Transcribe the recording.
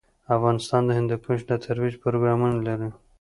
افغانستان د هندوکش د ترویج پروګرامونه لري.